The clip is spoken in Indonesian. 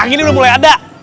anginnya udah mulai ada